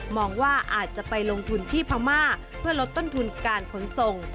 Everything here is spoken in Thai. ว่าอาจจะไปลงทุนที่พม่าเพื่อลดต้นทุนการขนส่ง